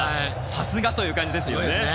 さすがという感じですよね。